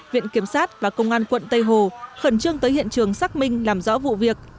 viện kiểm sát và công an quận tây hồ khẩn trương tới hiện trường xác minh làm rõ vụ việc